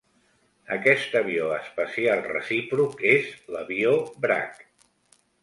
Aquest avió espacial recíproc és l'"avió Bragg".